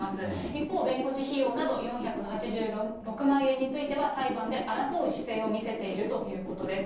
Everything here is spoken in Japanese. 一方、弁護士費用など４８６万円については裁判で争う姿勢を見せているということです。